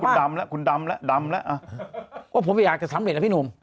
เพราะผมไม่อยากจะสำเร็จนะพี่หนุ่ม